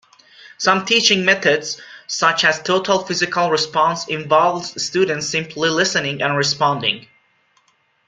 Some teaching methods, such as Total Physical Response, involve students simply listening and responding.